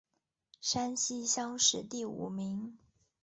山西乡试第五名。